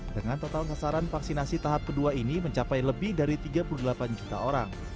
dengan total sasaran vaksinasi tahap kedua ini mencapai lebih dari tiga puluh delapan juta orang